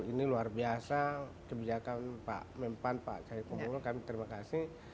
ini luar biasa kebijakan pak mempan pak cahyokumolo kami terima kasih